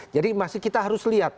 jadi masih kita harus lihat